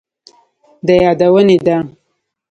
د يادونې ده،